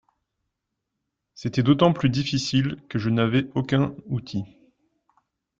C’était d’autant plus difficile que je n’avais aucun outil.